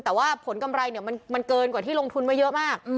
แต่ว่าผลกำไรเนี่ยมันเกินกว่าที่ลงทุนไว้เยอะมาก